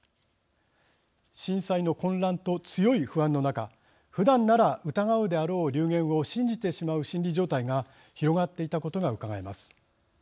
震災の混乱と強い不安の中ふだんなら疑うであろう流言を信じてしまう心理状態が広がっていたことがうかがえます。